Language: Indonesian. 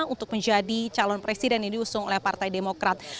untuk menjadi calon presiden yang diusung oleh partai demokrat